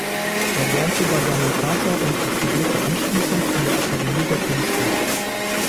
Er lernte bei seinem Vater und studierte anschließend an der Akademie der Künste.